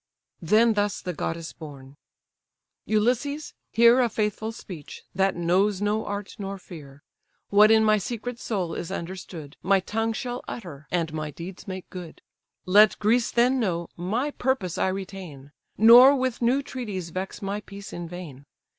Then thus the goddess born: "Ulysses, hear A faithful speech, that knows nor art nor fear; What in my secret soul is understood, My tongue shall utter, and my deeds make good. Let Greece then know, my purpose I retain: Nor with new treaties vex my peace in vain.